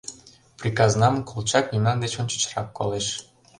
Приказнам Колчак мемнан деч ончычрак колеш...